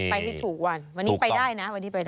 ไปที่ถูกวันวันนี้ไปได้นะวันนี้ไปได้ถูกต้อง